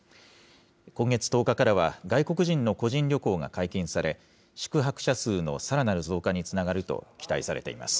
今月１０日からは、外国人の個人旅行が解禁され、宿泊者数のさらなる増加につながると期待されています。